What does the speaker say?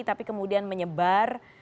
tapi kemudian menyebar